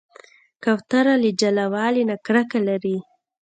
کوتره له جلاوالي نه کرکه لري.